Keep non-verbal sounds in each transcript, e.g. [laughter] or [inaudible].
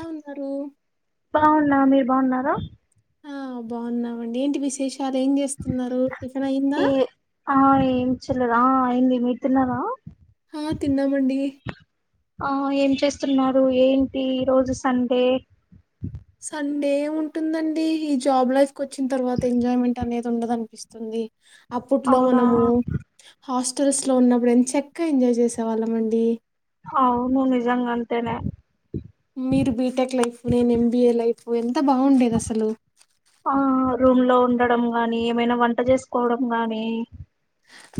ఎలా ఉన్నారు? బాగున్నం మీరు బాగున్నారా ఆ బాగున్నావండి ఏంటి విశేషం చాలా ఏం చేస్తున్నారు టిఫీన్ అయ్యిందా ఏ ఆ ఏమి చెల్లరా అయింది మిత్రన్నారా హా తిన్నా మండీ ఆ ఏం చేస్తున్నారు ఏంటి ఈ రోజు సండే సండే ఉంటుందండి ఈ జాబ్ లైఫ్ వచ్చిన తర్వా ఎజాయ్మెంట్ అనేది ఉండదనిపిస్తుంది అప్పట్లో అవునా మనము హాస్టల్స్ లో ఉన్నప్పుడు ఎంత చక్క ఎంజాయ్ చేసేవాళ్ళమండి అవును నిజంగా అంతేనే మీరు బీటెక్ లైఫ్ నేను ఎంబీఏ లైఫ్ నేను అంత బాగుండేది అసలు ఆ రూమ్ లో ఉండడం గాని ఏమైనా వంట చేసుకోవడం గాని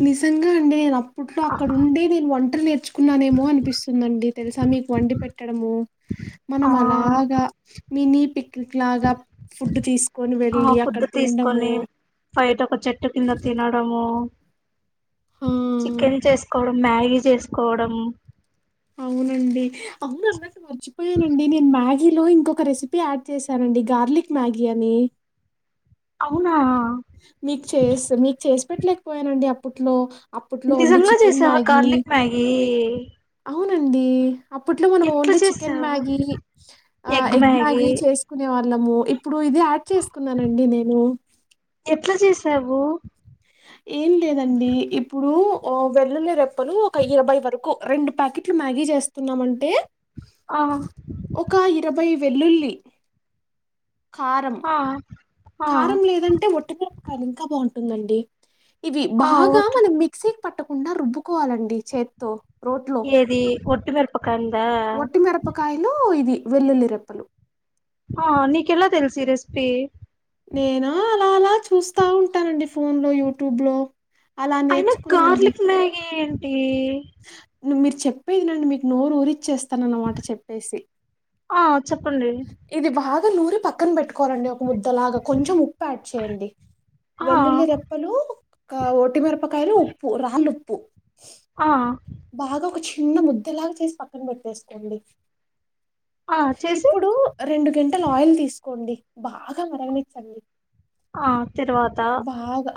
నిజంగా అండి అప్పట్లో ఆ అక్కడ ఉండే నేను ఒంటలు నేర్చుకున్నానేమో అనిపిస్తుందండి తెలుసా మీకు వండి పెట్టడము మనం ఆ అలాగా మిని పిక్ వెళ్ళి ఆ అక్కడ ఫుడ్ తినడము తీసుకొని ఫైట్ ఒక చెట్టు కింద తినడము ఆ చికెన్ చేసుకోవడం మ్యాగీ చేసుకోవడం అవునండి అవును అన్నట్ మరిచిపోయానడి నేను మా లో ఇంకొక రెసిపీ యాడ్ చేశారండి గార్లిక్ మ్యాగీ అని అవునా మీకు చేస్త మీకు చేసి పెట్టలేకపోయానండి అప్పట్లో అప్పట్లో ఓన్లీ నిజంగా చికెన్ చేసావా మ్యాగీ కార్లిక్ మ్యాగీ అవునండి అప్పట్లో మనం ఎట్లా ఓన్లీ చికెన్ చేసావు మ్యాగీ ఎగ్ మ్యాగీ చేసుకునే వాళ్ళ లము ఇప్పుడు ఇది యాడ్ చేసుకున్నానండి నేను ఎట్లా చేసావు ఏం లేదండి ఇప్పుడు వెళ్ళలే రప్పు లు ఒక ఇరబై వరకు రెండు ప్యాకెట్లు మ్యాగీ చేస్తున్నామంటే ఆ ఒక ఇరవై వెల్లుల్లి కారం ఆ ఆ కారం లేదంటే ఒట్టగరప కాల ఇంకా బాగుంటుంది టుంది అండి ఇవి ఆ బాగా ఓట్ మనం మిక్సీ పట్టకుండా రుబ్బుకోవాలండి చేత్తో ఏది ఒ [unintelligible] ఒటి మరపకాయలు ఇది వెల్లుల్లి రెప్పలు ఆ నీకెలా తెలిసి రెసిపీ నేను అలా అలా చూస్తా ఉంటానండి ఫోన్ లో యూట్యూబ్ లో అలా అయినా నేర్చుకున్నాండి గార్లిక్ మ్యాగి ఏ నువ్వు మీరు చెప్పేది నండి మీకు నోరు ఊరి ఇచ్చేస్త స్తానన్నమాట చెప్పేసి ఆ చెప్పండి ఒక నూరి పక్కన పెట్టుకోరండి ఒక ముద్దలాగా కొంచెం ఉప్పు యాడ్ చేయండి ఆ వెల్లుల్లి రెప్పలు ఒటిమిరపకాయలు ఉప్పు రాళ్ళు ఉప్పు ప్పు ఆ బాగా ఒక చిన్న ముద్దలాగా చేసి పక్కన పెట్టేసుకోండి ఆ చేసి ఇప్పుడు రెండు గంట అట్టలు ఆయిల్ తీసుకోండి బాగా మరగణించండి ఆ తరువాత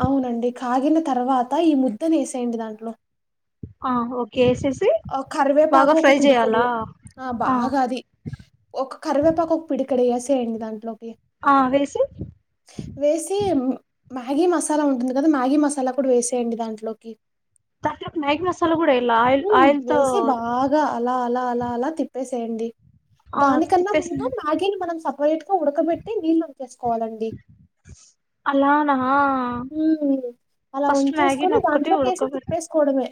అవునండి కాగిన తర్వాత ఈ ముద్దను వేసేయండి దాంట్లో ఆ ఓకే ఏసేసి ఆ బాగా కరివేపాకు ఒక ఫ్రై పిడికడు చేయాలా ఆ బాగా అది ఒక కరివేపాకు ఒక పిడిక ఇక్కడ ఎ స ఏండి దాంట్లో ఆ వేసి వేసి మ్యాగీ మసాలా ఉంటుంది కదా మ్యాగీ మసాలా కూడా వేసేయండి దాంట్లోకి త సలు కూడా ఇల్ ఆయిల్ హ్మ్. ఆయిల్తో వేసి బాగా అలా, అలా అలా తిప్పేసేయండి ఆ దానికన్నా ముందు తిప్పేసింది మ్యాగీని మనం వాలెట్ ఉడకబెట్టి నీళ్ళు అంచేసుకోవాలండి అలానా ఉ అలా ఫస్ట్ వంచేసుకుని మ్యాగీని ఒక్కటి దాంట్లోకి వేసి ఉడకబె తిప్పేసుకోవడమే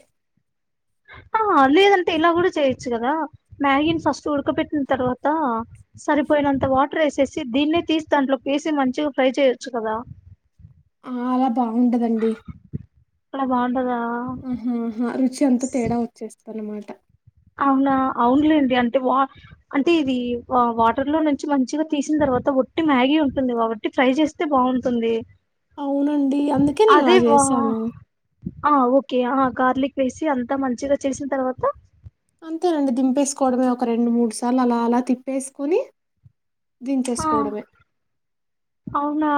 ఆ లేదంటే ఇలా కూడా చేయచ్చు కదా మ్యాగీని ఫస్ట్ ఉడక పెట్టిన తర్వాత సరిపోయినంత వాటర్ వేసేసి దీన్నే తీసి దాంట్లోకి వేసి మంచిగా ఫ్రై చేయచ్చు కదా ఆ అలా బాగుంటదండి అక్కడ బాగుంటదా ఆహాహా రుచి అంతా తేడా వచ్చేస్త అన్నమాట అవునా అవునులేండి అంటే వా అంటే ఇది వాటర్ లో నుంచి మంచిగా తీసిన తర్వాత ఒట్టి మ్యాగీ ఉంటుందిబట్టి ఫ్రై చేస్తే బాగుంటుంది అవునండి అందుకే నేను ఇలా అదే వా చేసాను ఆ ఓకే ఆ గార్లిక్ వేసి అంతా మంచిగా చేసిన తర్వాత అంతేనండి దింపేసుకోవడమే ఒక రెండు మూడు సార్లు అలా అలా తిప్పేసుకొని ఆ దించేసుకోవడమే అవునా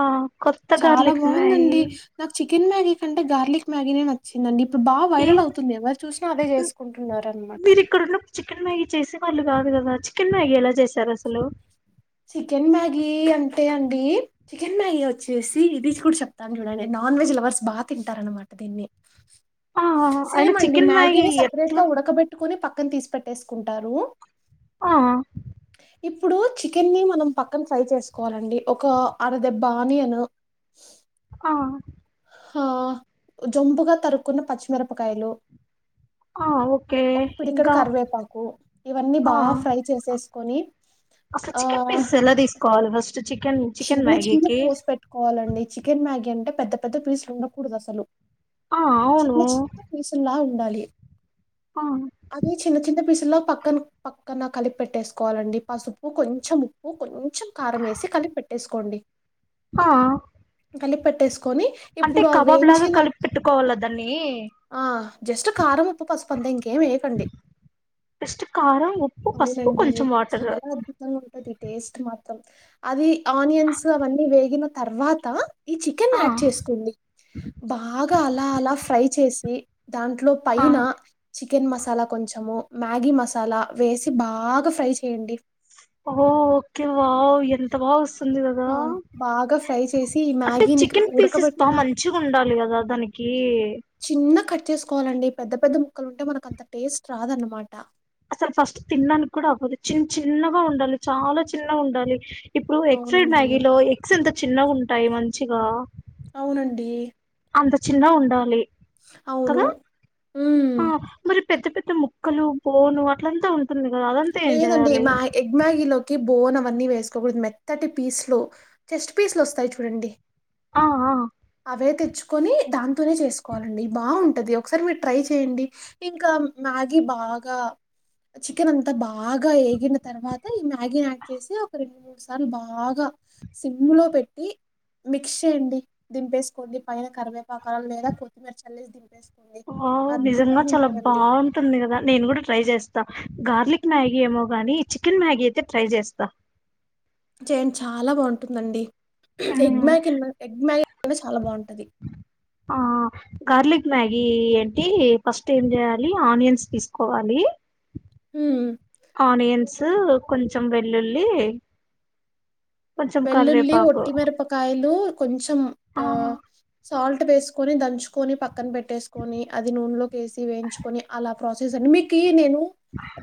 కొత్త చాలా గార్లిక్ బాగుందండి మ్యాగీ నాకు చి చికెన్ మ్యాగీ కంటే గార్లిక్ మ్యాగీ నే నచ్చిందండి ఇప్పుడు బా వైరల్ అవుతుంది ఎవరు చూసినా అదే చేసుకుంటున్నారు అన్నమాట మీరు ఇక్కడున్నప్పుడు చికెన్ మ్యాగీ చేసే వాళ్ళు కాదు కదా చికెన్ మ్యాగీ ఎలా చేశారు అసలు చికెన్ మ్యాగీ అంటే అండి చికెన్ మ్యాగీ వచ్చేసి ఇది కూడా చెప్తాను చూడండి నాన్ వెజ్ లవర్స్ బాగా తింటార అన్నమాట దీన్ని ఆ అయిన సేమ్ అండి చికెన్ మ్యాగీ మ్యాగీనే సపరేట్ ఎట్లా గా ఉడకబెట్టుకుని పక్ పక్కన తీసి పెట్టేసుకుంటారు ఆ ఇప్పుడు చి చికెన్ని మనం పక్కన ఫ్రై చేసుకోవాలండి ఒక అరదెబ్బ ఆనియన్ అ ఆ జొంబుగా తరుకున్న పచ్చిమిరపకాయలు ఆ ఓకే ఒక్ పిడి ఇంకా కరివేపాకు ఇవన్నీ ఆ బాగా ఫ్రై చేసేసుకొని అసలు ఆ చికెన్ పీసెస్ ఎలా తీసుకోవాలి ఫస్ట్ చికెన్ చికెన్ చిన్న చిన్న మ్యాగీకి పోసు పెట్టుకోవాలండి చికెన్ మ్యాగీ అంటే పెద్ద పెద్ద పీస్లు ఉండకూడదు అసలు ఆ చిన్న అవును చిన్న పీసుల్లా ఉండాలి ఆ అది చిన్న చిన్న పీస్ కిలో పక్కన పక్కన కలిపి పెట్టేసుకోవాలండి పసుపు కొంచెం ఉప్పు కొంచ కొంచం కారమేసి లిపి పెట్టేసుకోండి ఆ కలిప్ పెట్టేస్ కొని అంటే ఇప్పుడు ఆ కబాబ్ లాగా వేయించిన కలిపి పెట్టుకోవాల దాన్ని ఆ జస్ట్ కారం ఉప్పు పసుపంతే ఇంకేం వేయకండి ఫస్ట్ కారం ఉప్పు పసుపు అవునండి కొంచెం వాటర్ చాలా అద్భుతంగా ఉంటుంది టేస్ట్ మాత్రం అది ఆనియన్స్ అవన్నీ వేగిన తర్వాత ఈ చికెన్ ఆ యాడ్ చేసుకోండి బాగా అలా అలా ఫ్రై చేసి దాంట్లో ఆ పైన చి చికెన్ మసాలా కొంచెము మ్యాగీ మసాలా వేసి బాగా ఫ్రై చేయండి ఓ ఓకే వావ్ ఎంత బా వస్తుంది ఉంది గదా ఆ బాగా ఫ్రై చేసి ఈ అసలు మ్యాగీని చికెన్ పీసెస్ ఉడకబెట్టిన బాగా మంచిగా ఉండాలి కదా దానికి చిన్నగ కట్ చేసుకోవాలండి పెద్ద పెద్ద ముక్కలు ఉంటే మనకు అంత టేస్ట్ రాదన్నమాట అసలు ఫస్ట్ తిన్డానికి కూడా అవ్వదు చిన్న చిన్నగా ఉండాలి చాలా చిన్నగా ఉండాలి ఇప్పుడు ఎగ్ ఫ్రైడ్ అవునండి మ్యాగీ లో ఎగ్స్ ఎంత చిన్నగుంటయ్ మంచిగా అవునండి అంత చిన్న ఉండాలి అవును కదా ఆ మ్ మరి పెద్ద పెద్ద ముక్కలు బోను అట్లంతా ఉం లేదండి మా ఎగ్ మ్యాగీ లోకి బోన్ అవన్నీ వేసుకోకూడదు మెత్తటి పీస్ లో చెస్ట్ పీస్ లు వస్తాయి చూడండి ఆ ఆ అవే తెచ్చుకోని దాంతోనే చేసుకోవాలండి బావుంటది ఒకసారి మీరు ట్రై ఇంకా మ్యాగీ బాగా చి కెన్ అంతా బాగా వేగిన తర్వాత ఈ మ్యాగీని యాడ్ చేసి ఒక రెండు మూడు సార్లు బాగా సిమ్లో పెట్టి మిక్స్ చేయండి దింపేసుకోండి పైన కరివేపాకారం లేదా కొత్తిమీర చల్లేసి దింపేస్ ఆ నిజంగా చాలా బాగుంటుంది కదా నేను కూడా ట్రై చేస్తా గార్లిక్ మ్యాగీ ఏమో గాని చికెన్ మ్యాగీ అయితే ట్రై చేస్తా చేయండి చాలా బాగుంటుందండి ఎగ్ ఉమ్, [unintelligible] ఎగ్ మ్యాగ్ [inaudible] చాలా బాగుంటది ఆ గార్లిక్ మ్యాగీ ఏంటి ఫస్ట్ ఏం చేయాలి ఆనియన్స్ తీసుకోవాలి మ్ ఆనియన్స్ కొంచెం వెల్లుల్లి కొంచెం వెల్లుల్లి కరివేపాకు ఒట్టి మిరపకాయలు కొంచ్ తం ఆ సాల్ట్ వేసుకొని దంచుకొని పక్కన పెట్టేస్ ని అది నూనె లోకేసి వేయించుకొని అలా ప్రాసెస్ అండి మీకు నేను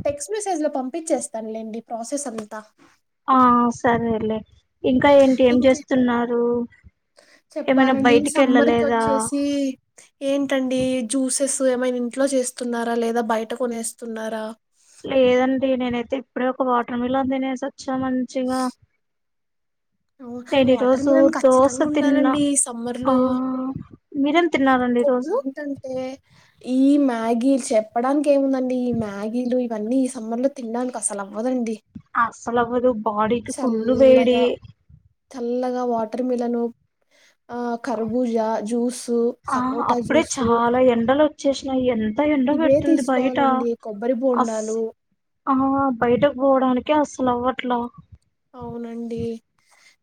టెక్స్ట్ మెసేజ్ లో పమ్ పంపించేస్తాన్ లేండి ప్రాసెస్ అంతా ఆ సరేలే ఇంకా ఏంటి ఏం ఇంకే చేస్తున్నారు ఏమైనా చెప్పాలండి బయటికి సమ్మర్కి వెళ్ళలేదా వచ్చేసి ఏంటండి జ్యూసెస్ ఏమైనా ఇంట్లో జేస్తున్నారా లేదా బయట కొనేస్తున్నారా లేదండి నేనైతే ఇప్పుడే ఒక వాటర్ మిలన్ దినేసా చ మంచిగా నేను వాటర్ ఈరోజు మిలన్ దోశ ఖచ్చితంగా తిన్నా ఉండాలండి సమ్మర్ ఆ లో మీరేం తిన్నారండి ఇంకొకటి ఈరోజు ఏంటంటే ఈ మ్యాగీ చెప్పడానికి ఏముందండి ఈ మ్యాగీలో ఇవన్నీ ఈ సమ్మర్ లో తినడానికి అసలు అవ్వదండి అసలవ్వదు బాడీకి ఫుల్లు వేడి ల్లగా వాటర్ మిలన్ ఆ కరబూజ జ్యూసు ఆ సపోటా అప్పుడే జ్యూసు చాలా ఎండలు వచ్చేసినాయి ఎంత ఎండ ఇవే పెడుతుంది బయట తీసుకోవాలండి కొబ్బరి అస్ బోండాలు ఆ బయటకు పోవడానికి అస్సలు అవ్వట్లా అవునండి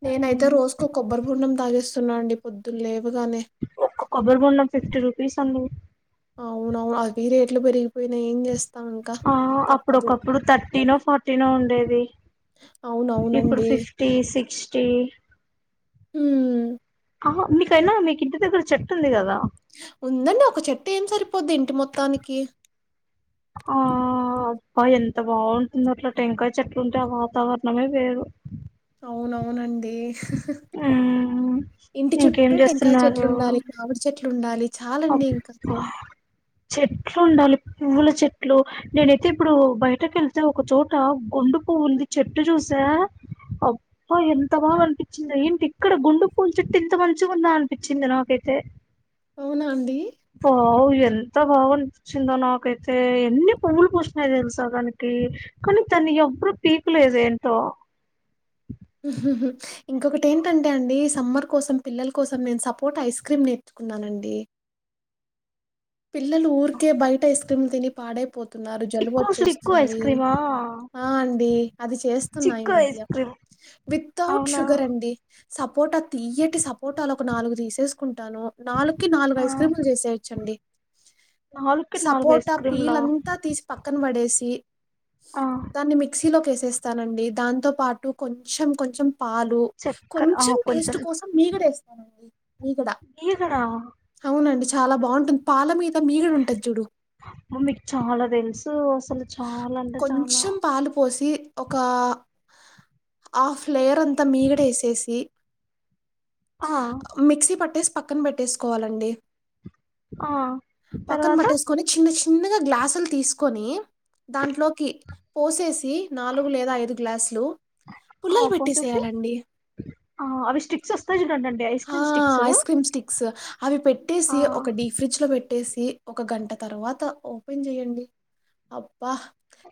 నేనయితే రోజుకో కొబ్బరిబొండం తాగేస్తున్నా అండి పొద్దున్నే క్క కొబ్బరి బొండం ఫిఫ్టీ రూపీస్ అని అవునవును అవి రేట్లు పెరిగిపోయినా ఏం జేస్స ఆ అప్పుడు ఒకప్పుడు థర్టీ నో ఫార్టీనో ఉండేది ఇప్పుడు అవునవునండి ఫిఫ్టీ సిక్స్టీ ఉమ్ మీకైనా మీకు ఇంటి దగ్గర చెట్టుంది గదా ఉందండి ఒక చెట్టు ఏం సరిపోద్ది ఇంటి మొత్తానికి ఆ అబ్బా ఎంత బాగుంటుందొ అట్లా టెంకాయ చెట్లు ఉంటే ఆ వాతావరణమే వేరు అవునవునండి మ్మ్ ఇంటి ఇంకేం చుట్టూ టెంకాయ చెట్లుండాలి మామిడి చెట్లుండాలి చాలండి ఇంక. అప్పా చెట్లు ఉండాలి పువ్వుల చెట్లు నేనైతే ఇప్పుడు బయటకి యెళ్తే ఒకచోట గుండు పూవ్వుంది చెట్టు చూసా అబ్బా ఎంత బాగా అనిపించింది ఏంటి ఇక్కడ గుండు పూవుల చెట్టు ఇంత మంచిగా ఉందా అనిపించింది నాకైతే అవునా అండి? పాల్ ఎంత బాగానిపిచ్చిందో నాకైతే ఎన్ని పువ్వులు పోసినాయి తెలుసాడానికి కానీ దన్ని ఎవరు పీక లేదు ఏంటో ఉ హు ఇంకొకటి ఏంటంటే అండి సమ్మర్ కోసం పిల్లల కోసం నేను సపోటా ఐస్ క్రీమ్ నేర్చుకున్నానండి పిల్లలు ఊరికే బయట ఐస్ క్రీమ్లు తిని పాడైపోతారు న్నారు చిక్కు చిక్కు ఐస్ జలుబొచెస్తుంది క్రీమా ఆ అండి అది చేస్తున్నా ఈ చిక్కు మధ్య ఐస్ క్రీమ్ వితౌట్ అవునా షుగర్ అండి సపోటా తియ్యటి సపోటలు ఒక నాలుగు తీసేస్కున్ టను నాలుకి నాలుగు ఆ ఐస్ క్రీములు జేసేయొచండీ నాలుగుకి నాలుగు ఐస్ సపోటా క్రీమ్లా పీలంతా తీసి పక్కన పడేసి తీ ఆ దాన్ని మిక్సీలో వేసేస్తానండి దాంతో పాటు కొంచం కొంచెం పాలు చక్కర ఆ కొంచెం టేస్ట్ కోసం మీగడ వేస్తానండి మీగడ ఈగడా అవునండి. చాలా బాగుంటుం పాల మీద్ మీగడ ఉంటది జూడు తో అసలు చాలా అంటే చాలా కొంచెం పాలు పోసి ఒక ఆఫ్ లేయర్ అంతా మీగడ వేసేసి ఆ మిక్సీ పాట్టేస్ పక్కన పెట్టేస్కోవాలండి ఆ పక్కన తర్వాత పట్టేసుకుని చిన్న చిన్నగా గ్లాసులు తీసుకొని దాంట్లోకి పోసేసి నాలుగు లేదా ఐదు గ్లాసులు ఆ పుల్లలు పోసేసి పెట్టేసేయాలండి. ఆ అవి స్టిక్స్ వస్తాయి చూడండి ఆ ఐస్ క్రీమ్ స్టిక్స్ అవి ఆ పెట్టేసి ఒక డీ ఫ్రిడ్జ్ లో పెట్ పెట్టేసి ఒక గంట తర్వాత ఓపెన్ చేయండి అబ్బా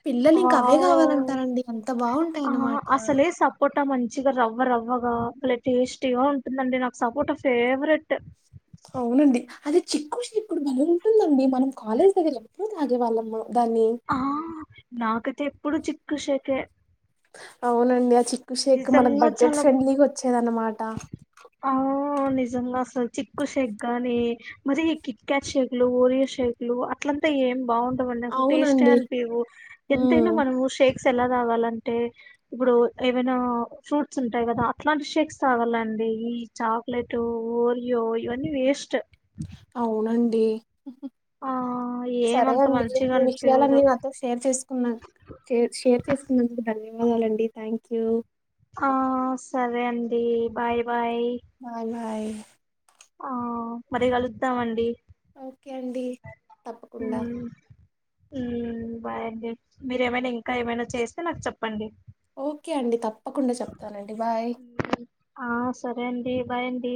పిల్లలు ఇంక అవే వావ్ కావాలంటారండి అంత బాగుంటాయ అన్నమాట ట మంచిగా రవ్వ రవ్వగా టేస్టీగా ఉంటుందండి నాకు సపోట ఫేవరెట్ అవునండి అదే చిక్కు ఇప్పుడు బా ఉంటుందండి మనం కాలేజ్ దగ్గ ఎప్పుూ తాగేవాళ్ళమ్మ ఆ నాకతే ఎప్పుడు చి కృషిక అవున అ షేక్ మనకు నిజంగా బడ్జెట్ చాలా ఫ్రెండ్లీగా వచ్చేది అనమాట ఆ నిజంగా అసలు చిక్కు షేక్ గాని మరి కిక్ క్యాట్ షేక్ లు ఓరియో షేక్ లు అట్లంతా ఏం బాగు అసలు టాస్ట్ అవునండి. అనిపివు హ్మ్. ఎంతైనా మనము షేక్ స్ ఎలా కావాలంటే ఇప్పుడు ఏవైనా ఫ్రూట్స్ ఉంటాయి కదా అట్లాంటి షేక్స్ తగలండి ఈ చాక్లెట్ ఓరియో ఇవన్నీ వేస్ట్ డి ఆ సరే ఏమంత అండి మంచిగా మీ అనిపియదు విషయాలన్నీ నాతో షేర్ చేసుకున్నే షేర్ చేసుకున్నందుకు ధన్యవా చలండి థ్యాంక్యూ ఆ సరే అండి బాయ్ బాయ్ హాయ్ ఆ మరి కలుత్తమండి ఓకే అండి తప్పకుండా హ్మ్ బాయండి మీరేమైనా ఇంకా ఏమైనా చేస్తే నాకు చెప్పండి ఓకే అండి తప్పకుండా చెప్తానండి బాయ్ ఆ సరే అండి బాయ్ అండి